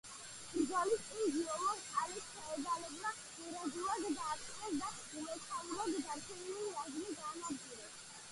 ბრძოლის წინ გილიომ კალი ფეოდალებმა ვერაგულად დაატყვევეს და უმეთაუროდ დარჩენილი რაზმი გაანადგურეს.